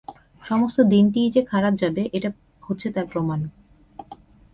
সমস্ত দিনটিই যে খারাপ যাবে, এটা হচ্ছে তার প্রমাণ।